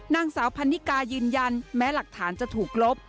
นางสาวพันนิกายืนยันแม้หลักฐานจะถูกลบ